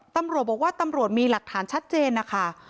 ตำรวจบอกว่าตำรวจมีหลักฐานชัดเจนนะคะ